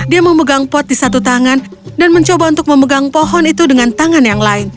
dia memegang pot di satu tangan dan mencoba untuk memegang pohon itu dengan tangan yang lain